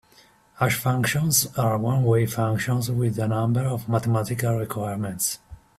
Hash functions are one-way functions with a number of mathematical requirements.